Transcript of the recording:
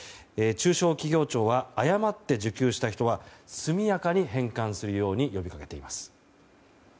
中小企業庁は誤って受給した人は速やかに返還するように呼びかけています。